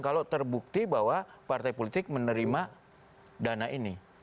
kalau terbukti bahwa partai politik menerima dana ini